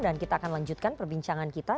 dan kita akan lanjutkan perbincangan kita